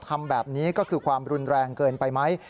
ทำแบบนี้ก็คือความรุนแรงเกินไปไหม